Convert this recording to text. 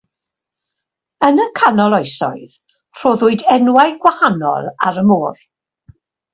Yn y Canol Oesoedd rhoddwyd enwau gwahanol ar y môr.